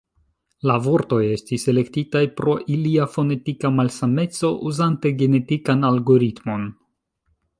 La vortoj estis elektitaj pro ilia fonetika malsameco uzante genetikan algoritmon.